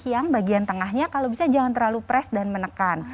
jadi yang bagian tengahnya kalau bisa jangan terlalu press dan menekan